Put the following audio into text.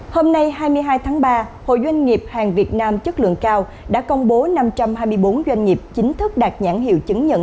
hôm nay hai mươi hai tháng ba hội doanh nghiệp hàng việt nam chất lượng cao đã công bố năm trăm hai mươi bốn doanh nghiệp chính thức đạt nhãn hiệu chứng nhận